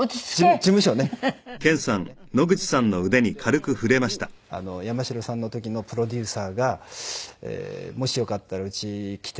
事務所をやめてその時に山城さんの時のプロデューサーが「もしよかったらうち来て。